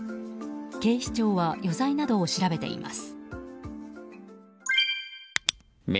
警視庁は余罪などを調べています。